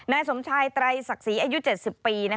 นายสมชายไตรศักดิ์ศรีอายุ๗๐ปี